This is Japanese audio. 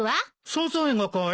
サザエがかい？